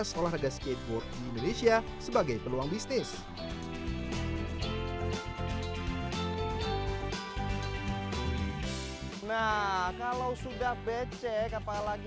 memanfaatkan momen dan berani mengambil resiko memulai